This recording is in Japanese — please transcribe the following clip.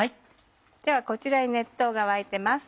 ではこちらに熱湯が沸いてます。